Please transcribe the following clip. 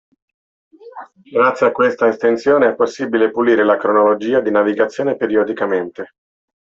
Grazie a questa estensione è possibile pulire la cronologia di navigazione periodicamente.